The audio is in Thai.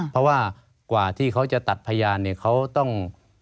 เพราะว่ากว่าที่เขาจะตัดพยานเนี่ยเขาต้อง